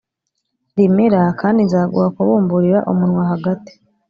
rimera kandi nzaguha kubumburira umunwa hagati